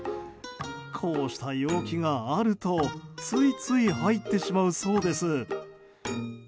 こうした容器があるとついつい入ってしまうそうです。